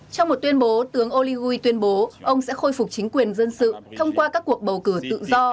trong một tuyên bố tướng oligui tuyên bố ông sẽ khôi phục chính quyền dân sự thông qua các cuộc bầu cử tự do